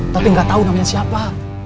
tapi nggak tahu namanya siapa